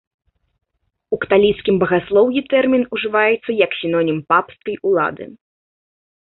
У каталіцкім багаслоўі тэрмін ужываецца як сінонім папскай улады.